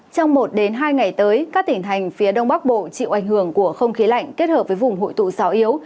trong một hai ngày tới các tỉnh thành phía đông bắc bộ chịu ảnh hưởng của không khí lạnh kết hợp với vùng hội tụ gió yếu